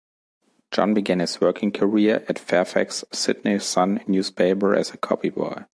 John began his working career at Fairfax's Sydney Sun newspaper as a copy-boy.